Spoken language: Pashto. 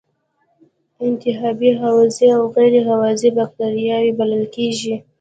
انتحابی هوازی او غیر هوازی بکټریاوې بلل کیږي.